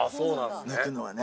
抜くのはね。